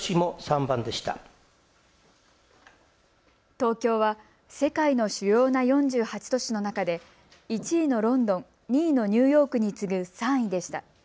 東京は、世界の主要な４８都市の中で１位のロンドン、２位のニューヨークに次ぐ３位でした。